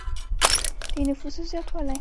د نفوسو زیاتوالی.